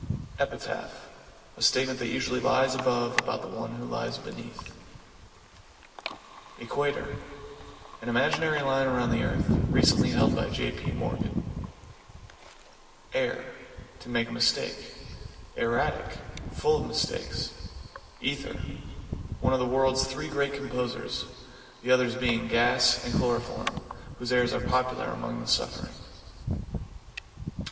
=EPITAPH= A statement that usually lies above about the one who lies beneath. =EQUATOR= An imaginary line around the earth. Recently held by J.P. Morgan. =ERR= To make a mistake. =ERRATIC= Full of mistakes. =ETHER= One of the world's three great composers the others being Gas and Chloroform whose airs are popular among the suffering.